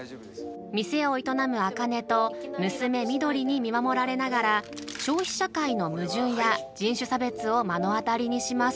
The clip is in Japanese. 店を営む茜と娘、翠に見守られながら消費社会の矛盾や人種差別を目の当たりにします。